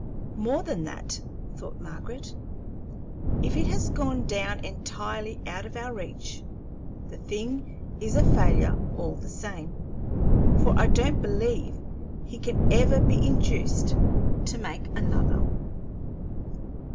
"More than that," thought Margaret; "if it has gone down entirely out of our reach, the thing is a failure all the same, for I don't believe he can ever be induced to make another."